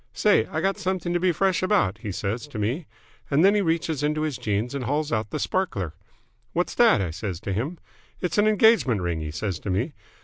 'Say, I got something to be fresh about!' he says to me. And then he reaches into his jeans and hauls out the sparkler. 'What's that?' I says to him. 'It's an engagement ring,' he says to me.